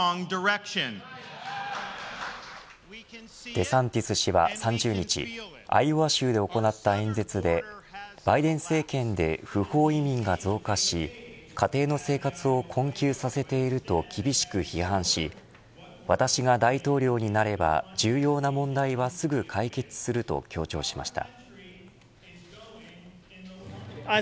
デサンティス氏は３０日アイオワ州で行った演説でバイデン政権で不法移民が増加し家庭の生活を困窮させていると厳しく批判し私が大統領になれば重要な問題はすぐ解決すると強調しました。